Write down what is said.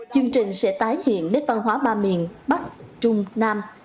chương trình sẽ tái hiện nét văn hóa ba miền bắc trung nam